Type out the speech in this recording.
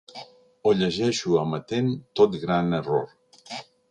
O llegeixo amatent tot gran error.